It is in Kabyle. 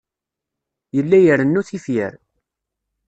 Yella irennu tifyar.